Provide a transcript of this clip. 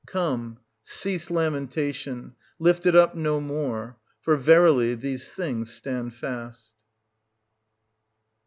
Come, cease lamentation, lift it up no more; for verily these things stand fast.